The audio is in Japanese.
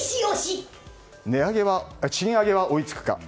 賃上げは追いつくか。